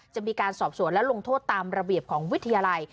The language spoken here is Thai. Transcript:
จะมีการสอบสวนและลงโทษตามระเบียบของวิทยาลัย